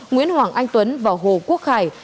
nguyễn hoàng anh tuấn và hồ quốc khải